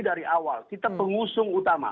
dari awal kita pengusung utama